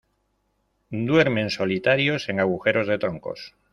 Duermen solitarios en agujeros de troncos.